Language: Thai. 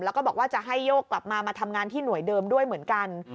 แล้วก็บอกว่าจะให้โยกกลับมามาทำงานที่หน่วยเดิมด้วยเหมือนกัน